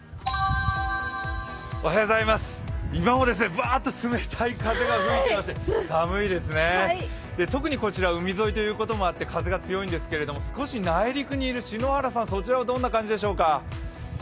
今もバーッと冷たい風が吹いていて寒いですね、特にこちら海沿いということもあって風が強いんですけど、少し内陸にいる篠原さん、そちらはどんな幹事でしょうか。